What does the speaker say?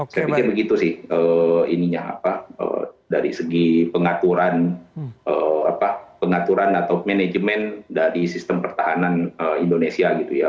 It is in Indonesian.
saya pikir begitu sih dari segi pengaturan pengaturan atau manajemen dari sistem pertahanan indonesia gitu ya